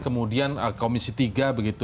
kemudian komisi tiga